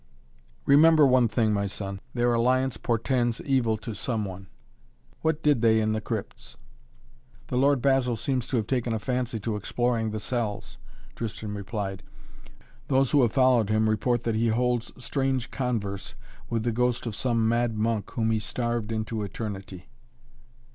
"Remember one thing, my son, their alliance portends evil to some one. What did they in the crypts?" "The Lord Basil seems to have taken a fancy to exploring the cells," Tristan replied. "Those who have followed him report that he holds strange converse with the ghost of some mad monk whom he starved into eternity."